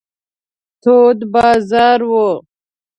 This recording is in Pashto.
تود بازار و.